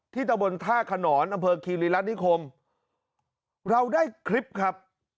ที่ตะบลท่าขนรภ์อำเภอคีลิรัตนิคมเราได้คลิปครับ